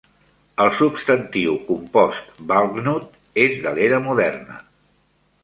El substantiu compost "valknut" és de l'era moderna.